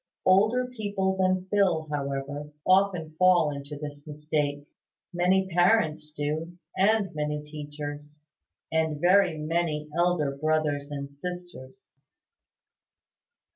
Older people than Phil, however, often fall into this mistake. Many parents do, and many teachers; and very many elder brothers and sisters.